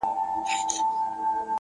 هوښیار انسان د احساساتو غلام نه وي.